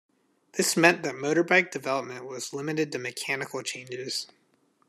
This meant that motorbike development was limited to mechanical changes.